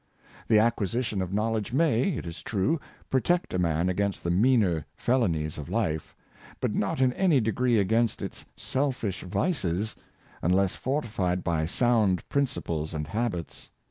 The acquisition of knowl edge may, it is true, protect a man against the meaner felonies of life ; but not in any degree against its selfish 302 Learning and Wisdom, vices, unless fortified by sound principles and habits.